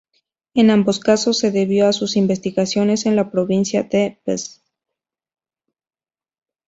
En ambos casos se debió a sus investigaciones en la Provincia de Bs.